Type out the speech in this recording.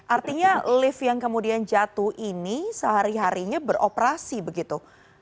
artinya lift yang kemudian jatuh ini sehari harinya beroperasi begitu